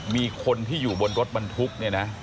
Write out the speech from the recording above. มีคนที่อยู่บนรถบรรทุกเนี่ยนะ